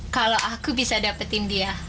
kalau aku bisa dapetin dia